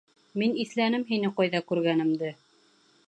Мин иҫләнем һине ҡайҙа күргәнемде!